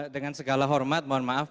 dengan segala hormat mohon maaf